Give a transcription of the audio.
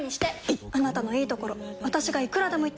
いっあなたのいいところ私がいくらでも言ってあげる！